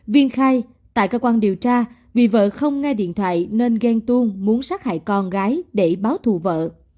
viên khai tại cơ quan điều tra vì vợ không nghe điện thoại nên ghen tuông muốn sát hại con gái để báo thù vợ